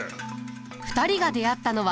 ２人が出会ったのは。